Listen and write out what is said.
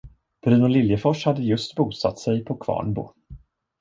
Bruno Liljefors hade just bosatt sig på Kvarnbo.